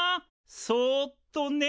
そっとね。